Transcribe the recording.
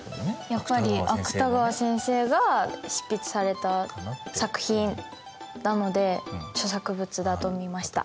やっぱり芥川先生が執筆された作品なので著作物だとみました。